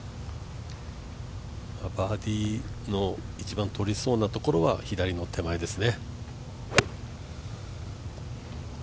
バーディーの一番取りそうなところは左の手前ですね。